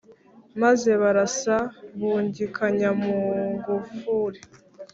maze barasa bungikanya mu ngufuri